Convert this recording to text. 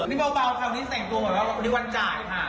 นี่เบานะครับเมื่อได้ติดตามก่อนสุดนี้ว่าจ่าย